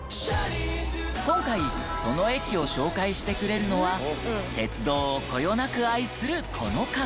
今回その駅を紹介してくれるのは鉄道をこよなく愛するこの方。